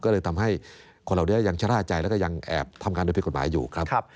ก็เลยทำให้คนเหล่านี้ยังชะล่าใจแล้วก็ยังแอบทำงานโดยผิดกฎหมายอยู่ครับ